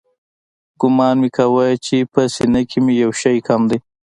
ګومان مې کاوه چې په سينه کښې مې يو شى کم دى.